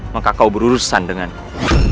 maka kau berurusan denganku